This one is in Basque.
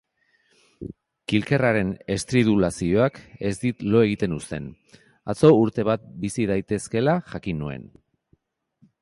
Kilkerraren estridulazioak ez dit lo egiten uzten, atzo urte bat bizi daitezkela jakin nuen